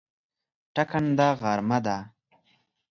ټکنده غرمه ده